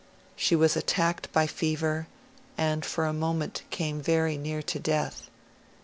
She was attacked by fever, and for a moment came very near to death.